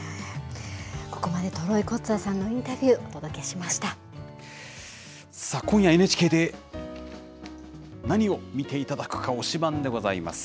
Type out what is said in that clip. ここまでトロイ・コッツァーさんのインタビュー、お届けしまさあ、今夜、ＮＨＫで何を見ていただくか、推しバンでございます。